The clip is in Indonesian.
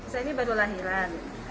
saya ini baru lahiran